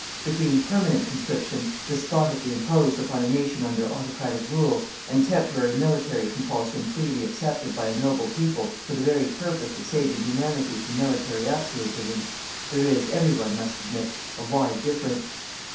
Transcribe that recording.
Between permanent conscription, despotically imposed upon a nation under autocratic rule, and temporary military compulsion freely accepted by a noble people for the very purpose of saving Humanity from military absolutism, there is, every one must admit, a wide difference.